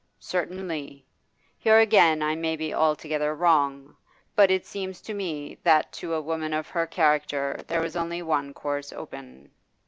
'Certainly. Here again I may be altogether wrong, but it seems to me that to a woman of her character there was only one course open.